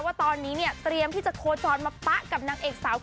ว่าตอนนี้เนี่ยเตรียมที่จะโคจรมาปะกับนางเอกสาว